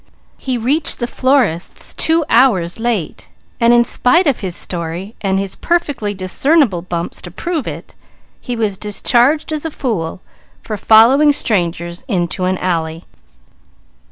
He reached the florist's two hours late and in spite of his story and his perfectly discernible bumps to prove it, he was discharged as a fool for following strangers into an alley.